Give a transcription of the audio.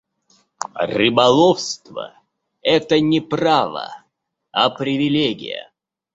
Рыболовство — это не право, а привилегия.